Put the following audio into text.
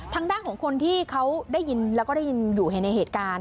ทางด้านของคนที่เขาได้ยินแล้วก็ได้ยินอยู่ในเหตุการณ์